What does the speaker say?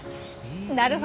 なるほど。